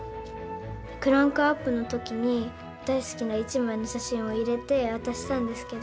クランクアップの時に大好きな１枚の写真を入れて渡したんですけど